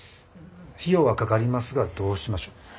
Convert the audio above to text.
費用はかかりますがどうしましょう。